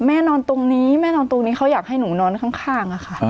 แม่นอนตรงนี้แม่นอนตรงนี้เขาอยากให้หนูนอนข้างอะค่ะ